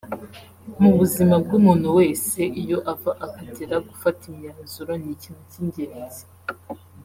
Mu buzima bw’umuntu wese iyo ava akagera gufata imyanzuro ni ikintu cy’ingenzi